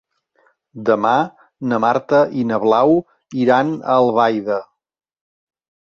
Demà na Marta i na Blau iran a Albaida.